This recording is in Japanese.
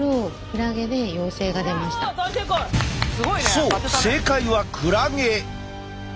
そう正解はクラゲ！